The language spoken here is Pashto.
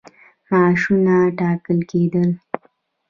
معاشونه ټاکل کېدل.